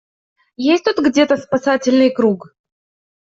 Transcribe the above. Есть тут где-то спасательный круг?